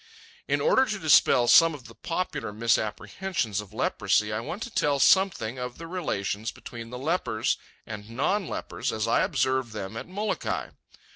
In order to dispel some of the popular misapprehensions of leprosy, I want to tell something of the relations between the lepers and non lepers as I observed them at Molokai.